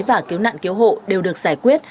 và cứu nạn cứu hộ đều được giải quyết